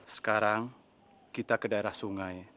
sekarang kita ke daerah sungai